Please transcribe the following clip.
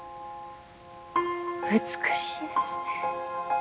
美しいですね。